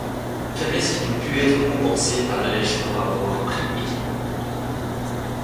Faiblesses qui n'ont pu être compensées par l'alléchant rapport prix-équipement.